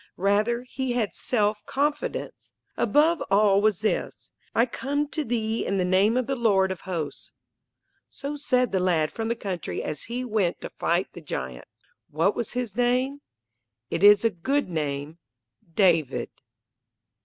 Rather he had self confidence. Above all was this "I come to thee in the name of the Lord of hosts." So said the lad from the country as he went to fight the giant. What was his name? It is a good name David.